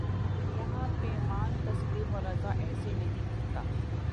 یہاں پیمان تسلیم و رضا ایسے نہیں ہوتا